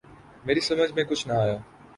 میری سمجھ میں کچھ نہ آیا۔